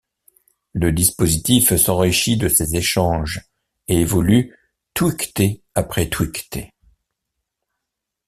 Le dispositif s’enrichit de ces échanges, et évolue twictée après twictée.